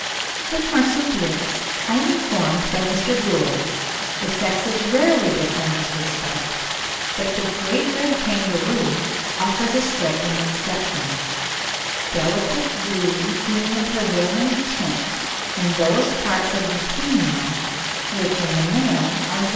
With Marsupials, as I am informed by Mr. Gould, the sexes rarely differ in this respect; but the great red kangaroo offers a striking exception, "delicate blue being the prevailing tint in those parts of the female which in the male are red."